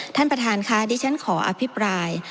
ท่านประธานท่านค่ะที่ฉันขออภิเปราย